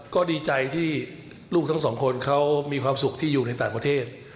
ก็ดีใจที่ลูกทั้งสองคนเขามีความสุขที่อยู่ในต่างประเทศ